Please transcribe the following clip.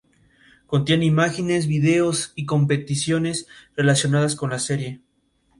Contiene imágenes, videos y competiciones relacionadas con la serie.